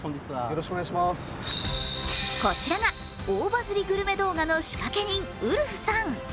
こちらが大バズりグルメ動画の仕掛け人、ウルフさん。